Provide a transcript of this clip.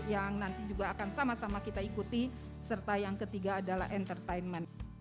yang nanti juga akan sama sama kita ikuti serta yang ketiga adalah entertainment